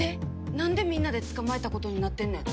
なんでみんなで捕まえたことになってんねん。